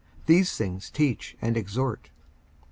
These things teach and exhort.